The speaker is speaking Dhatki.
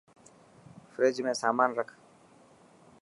فريج ۾ سامان رک